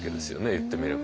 いってみれば。